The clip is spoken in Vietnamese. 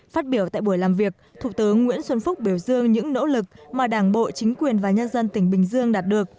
phát biểu tại buổi làm việc thủ tướng nguyễn xuân phúc biểu dương những nỗ lực mà đảng bộ chính quyền và nhân dân tỉnh bình dương đạt được